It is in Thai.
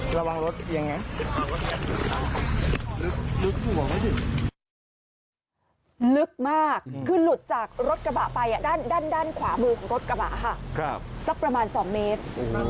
ลึกมากขึ้นหลุดจากรถกระบะไปอ่ะด้านด้านด้านขวามือรถกระบะค่ะครับสักประมาณสองเมตร